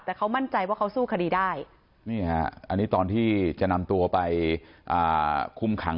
แต่เขามั่นใจว่าเขาสู้คดีได้นี่ฮะอันนี้ตอนที่จะนำตัวไปคุมขัง